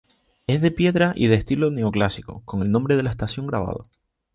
Es de piedra y de estilo "neoclásico" con el nombre de la estación grabado.